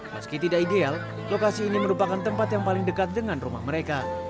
meski tidak ideal lokasi ini merupakan tempat yang paling dekat dengan rumah mereka